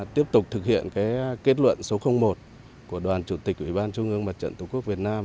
tiếp tục thực hiện kết luận số một của đoàn chủ tịch ủy ban trung ương mặt trận tổ quốc việt nam